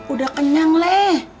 udah kenyang leh